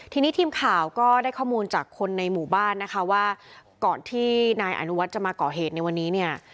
ทีนี้ทีมข่าวก็ได้ข้อมูลจากคนในหมู่บ้านนะคะว่าก่อนที่นายอนุวัฒน์จะมาก่อเหตุในวันนี้เนี่ย